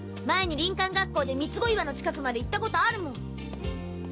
前に林間学校でみつご岩の近くまで行ったことあるもん！